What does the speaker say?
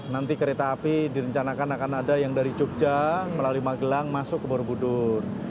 nanti kereta api direncanakan akan ada yang dari jogja melalui magelang masuk ke borobudur